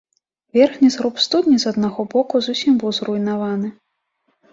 Верхні зруб студні з аднаго боку зусім быў зруйнаваны.